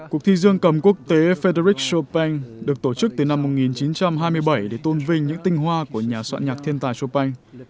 cuộc thi dương cầm quốc tế federic chopink được tổ chức từ năm một nghìn chín trăm hai mươi bảy để tôn vinh những tinh hoa của nhà soạn nhạc thiên tài chopin